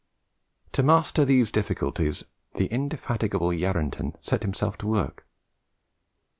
To master these difficulties the indefatigable Yarranton set himself to work.